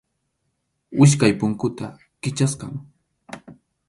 Wichqʼay punkuta Kichasqam.